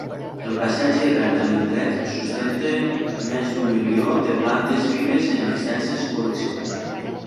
El paisatge verd de l'indret, sustenta més d'un milió de plantes vives en extenses col·leccions.